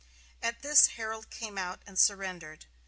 At this Herold came out and surrendered.